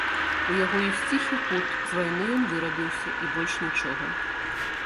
У яго ёсць ціхі кут, з вайны ён вырабіўся, і больш нічога.